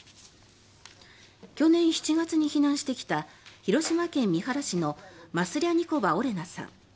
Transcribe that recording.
去年７月に避難してきた広島県三原市のマスリャニコバ・オレナさん。